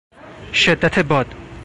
شدت باد